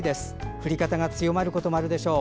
降り方が強まることもあるでしょう。